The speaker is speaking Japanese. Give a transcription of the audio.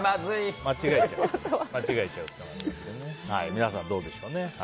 皆さん、どうでしょうね。